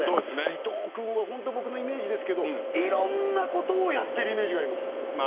伊藤くんは本当に僕のイメージですけどいろんなことをやってるイメージがあります。